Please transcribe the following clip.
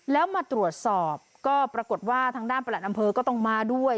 แล้วมาตรวจสอบก็ปรากฏว่าทางด้านประหลัดอำเภอก็ต้องมาด้วย